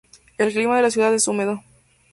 El clima de la ciudad es húmedo.